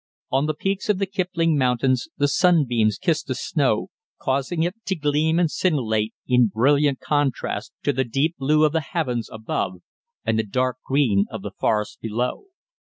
On the peaks of the Kipling Mountains the sunbeams kissed the snow, causing it to gleam and scintillate in brilliant contrast to the deep blue of the heavens above and the dark green of the forests below.